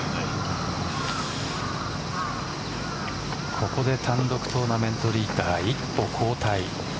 ここで単独トーナメントリーダー一歩後退。